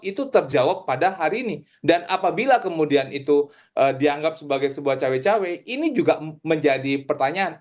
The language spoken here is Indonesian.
itu terjawab pada hari ini dan apabila kemudian itu dianggap sebagai sebuah cawe cawe ini juga menjadi pertanyaan